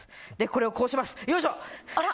これを、こうします。